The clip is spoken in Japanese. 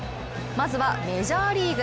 まずはメジャーリーグ。